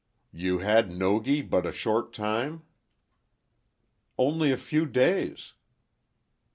"You had Nogi but a short time?" "Only a few days."